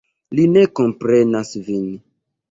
Li ne komprenas vin.